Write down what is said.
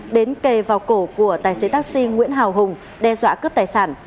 đến kề vào cổ của tài xế taxi nguyễn hào hùng đe dọa cướp tài sản